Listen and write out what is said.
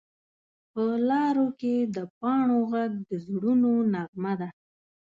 په لارو کې د پاڼو غږ د زړونو نغمه ده